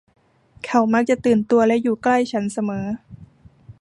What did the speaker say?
เขามักจะตื่นตัวและอยู่ใกล้ฉันเสมอ